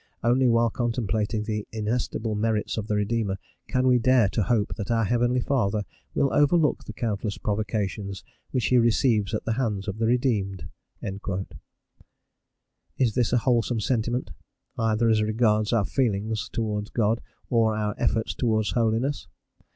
Only while contemplating the inestimable merits of the Redeemer can we dare to hope that our heavenly Father will overlook the countless provocations which he receives at the hands of the redeemed." Is this a wholesome sentiment, either as regards our feelings towards God or our efforts towards holiness?